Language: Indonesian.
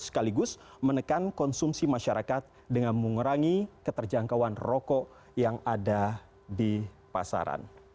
sekaligus menekan konsumsi masyarakat dengan mengurangi keterjangkauan rokok yang ada di pasaran